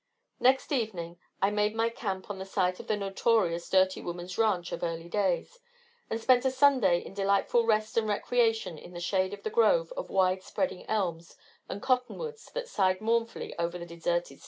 Next evening, I made my camp on the site of the notorious Dirty Woman's Ranch of early days, and spent a Sunday in delightful rest and recreation in the shade of the grove of wide spreading elms and cotton woods that sighed mournfully over the deserted scene.